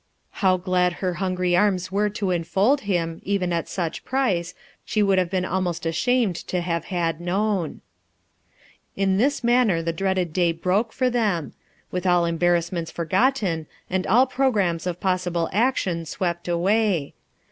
How glad her hungry arms were to enfold him, even at such price, she would have been almost ashamed to have had known. A STRANGE CHANGE 335 In this manner the dreaded day broke for them; with a11 embarrassments forgotten and all programmes of possible action swept away.